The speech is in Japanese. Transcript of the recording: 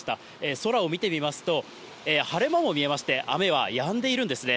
空を見てみますと、晴れ間も見えまして、雨はやんでいるんですね。